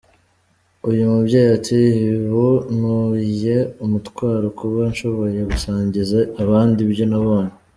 Uyu mubyeyi ati ubu ntuye umutwaro, kuba nshoboye gusangiza abandi ibyo nabonye.